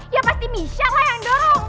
ya pasti michelle lah yang dorong